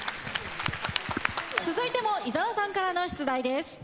続いても伊沢さんからの出題です。